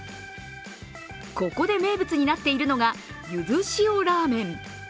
ここで名物になっているのがゆず塩らめん。